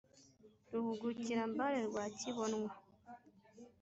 ruhugukira mbare rwa kibonwa